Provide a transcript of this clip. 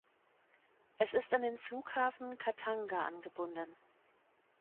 Es ist an den Flughafen Khatanga angebunden.